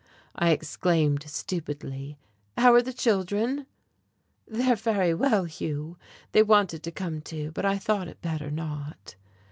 I exclaimed stupidly. "How are the children?" "They're very well, Hugh. They wanted to come, too, but I thought it better not."